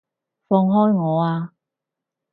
放開我啊！